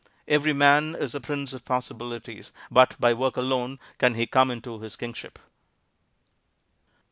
Every man is a Prince of Possibilities, but by work alone can he come into his Kingship.